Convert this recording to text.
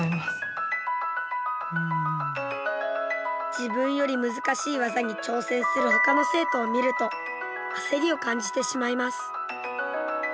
自分より難しい技に挑戦する他の生徒を見ると焦りを感じてしまいます。